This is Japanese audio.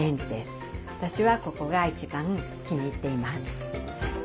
私はここが一番気に入っています。